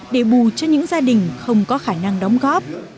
để bù cho những gia đình không có khả năng đóng góp